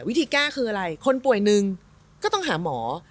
วิธีแก้คืออะไรคนป่วยหนึ่งก็ต้องหาหมอ